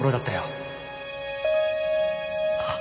あっ。